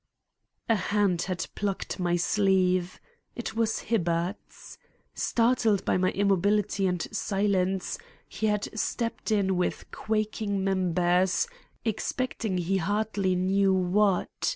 A hand had plucked my sleeve. It was Hibbard's. Startled by my immobility and silence, he had stepped in with quaking members, expecting he hardly knew what.